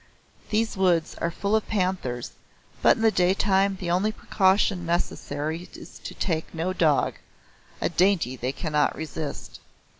These woods are full of panthers, but in day time the only precaution necessary is to take no dog, a dainty they cannot resist.